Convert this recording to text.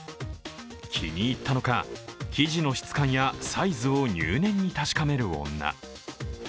気に入ったのか、生地の質感やサイズを入念に確かめる女。